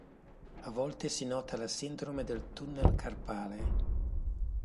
A volte si nota la sindrome del tunnel carpale.